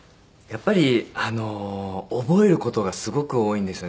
やっぱりあの覚える事がすごく多いんですよね。